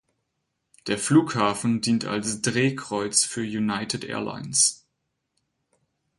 Der Flughafen dient als Drehkreuz für United Airlines.